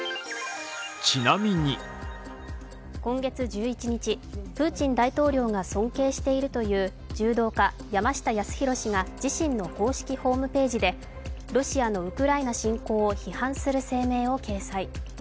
今月１１日、プーチン大統領が尊敬しているという柔道家・山下泰裕氏が自身の公式ホームページでロシアのウクライナ侵攻を批判する声明を掲載。